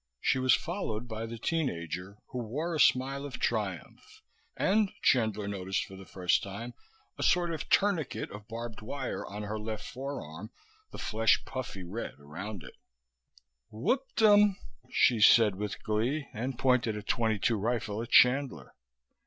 She was followed by the teen ager, who wore a smile of triumph and, Chandler noticed for the first time, a sort of tourniquet of barbed wire on her left forearm, the flesh puffy red around it "Whopped 'em," she said with glee, and pointed a .22 rifle at Chandler.